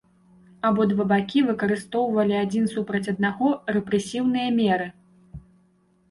Абодва бакі выкарыстоўвалі адзін супраць аднаго рэпрэсіўныя меры.